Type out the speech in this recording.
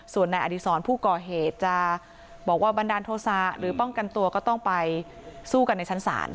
ส่วนนายอดีศรผู้ก่อเหตุจะบอกว่าบันดาลโทษะหรือป้องกันตัวก็ต้องไปสู้กันในชั้นศาล